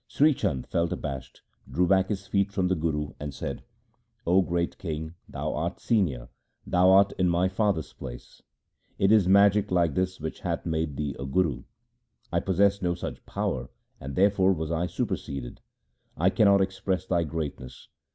Sri Chand felt abashed, drew back his feet from the Guru, and said, ' O great king, thou art senior, thou art in my SIKH. II S 258 THE SIKH RELIGION father's place. It is magic like this which hath made thee a Guru. I possess no such power, and therefore was I superseded. I cannot express thy greatness.